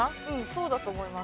そうだと思います。